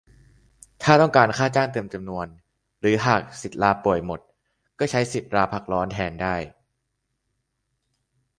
ถ้าต้องการค่าจ้างเต็มจำนวน หรือหากสิทธิ์ลาป่วยหมด ก็ใช้สิทธิ์ลาพักร้อนแทนได้